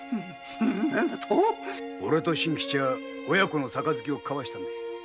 何だとおれと真吉は親子の杯をかわしたんだ。